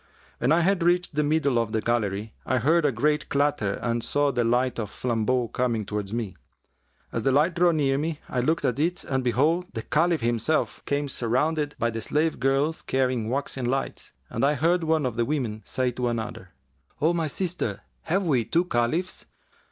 When I had reached the middle of the gallery, I heard a great clatter and saw the light of flambeaux coming towards me. As the light drew near me, I looked at it and behold, the Caliph himself, came surrounded by the slave girls carrying waxen lights, and I heard one of the women[FN#360] say to another, 'O my sister, have we two Caliphs?